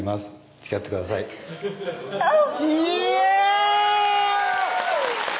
「つきあってください」アオ！